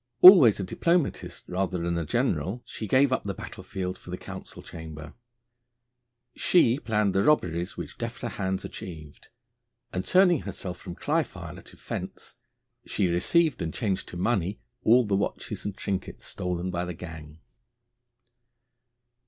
Always a diplomatist rather than a general, she gave up the battlefield for the council chamber. She planned the robberies which defter hands achieved; and, turning herself from cly filer to fence, she received and changed to money all the watches and trinkets stolen by the gang.